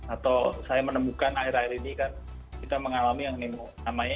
atau saya menemukan akhir akhir ini kan kita mengalami yang namanya